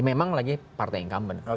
memang lagi partai incumbent